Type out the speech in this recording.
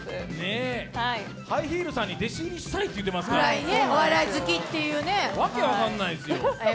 ハイヒールさんに弟子入りしたいと言ってますからわけわかんないですよ。